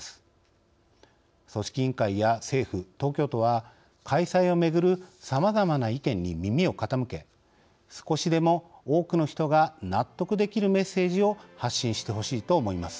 組織委員会や政府東京都は開催をめぐるさまざまな意見に耳を傾け少しでも多くの人が納得できるメッセージを発信してほしいと思います。